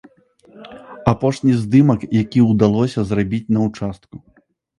Апошні здымак, які удалося зрабіць на участку.